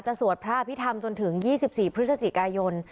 สวดพระอภิษฐรรมจนถึง๒๔พฤศจิกายน